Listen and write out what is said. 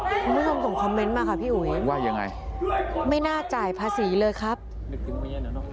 คุณผู้ชมส่งคอมเม้นต์มาค่ะพี่อุ๋ยไม่น่าจ่ายภาษีเลยครับว่ายังไง